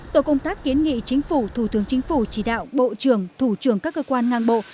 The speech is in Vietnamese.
tổ công tác kiến nghị chính phủ thủ tướng chính phủ chỉ đạo bộ trưởng thủ trưởng các cơ quan ngang bộ